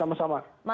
ya baik sama sama